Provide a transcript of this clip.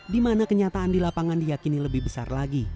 dimana kenyataan di lapangan diyakini lebih besar lagi